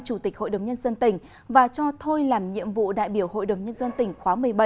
chủ tịch hội đồng nhân dân tỉnh và cho thôi làm nhiệm vụ đại biểu hội đồng nhân dân tỉnh khóa một mươi bảy